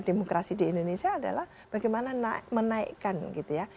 demokrasi di indonesia adalah bagaimana menaikkan gitu ya